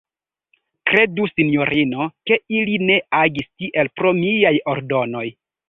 Kredu, sinjorino, ke ili ne agis tiel pro miaj ordonoj.